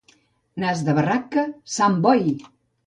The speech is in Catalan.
Nas de barraca, Sant Boi!